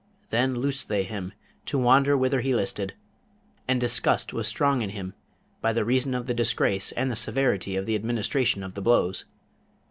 Then loosed they him, to wander whither he listed; and disgust was strong in him by reason of the disgrace and the severity of the administration of the blows.